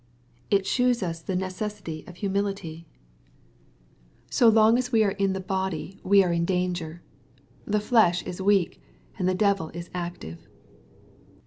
It shews us the necessity of humility. 376 BXPOSITOBT THOUGHTS. So long as we are in the body we are in danger. The flesh is weak^ and the devil is active.